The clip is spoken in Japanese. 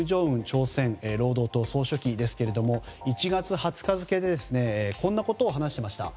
朝鮮労働党総書記ですが１月２０日付でこんなことを話していました。